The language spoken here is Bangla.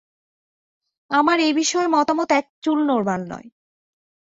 আমার এ বিষয়ে মতামত একচুল নড়বার নয়।